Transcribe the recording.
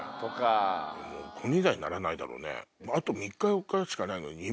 もう金輪際ならないだろうね。